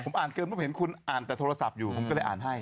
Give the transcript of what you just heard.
อ่านเกินปุ๊บเห็นคุณอ่านแต่โทรศัพท์อยู่ผมก็เลยอ่านให้